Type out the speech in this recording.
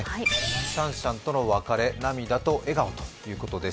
シャンシャンとの別れ、涙と笑顔ということです。